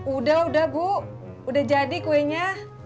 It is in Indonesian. udah udah bu udah jadi kuenya